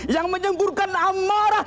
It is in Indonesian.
yang menyemburkan amarah